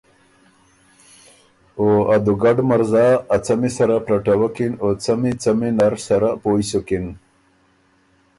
او دُوګډ مرزا ا څمی سره پلټَوَکِن او څمی څمی نر سره پویٛ سُکِن۔